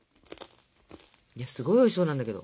すごいおいしそうなんだけど。